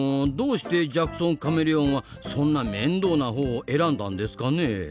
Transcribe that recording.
どうしてジャクソンカメレオンはそんな面倒な方を選んだんですかね？